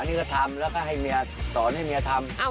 นี่ก็ทำแล้วก็ให้เมียสอนให้เมียทำ